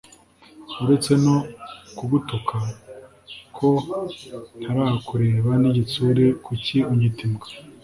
uretse no kugutuka ko ntarakureba n’igitsure kuki unyita imbwa